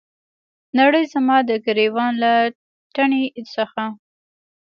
نړۍ زما د ګریوان له تڼۍ څخه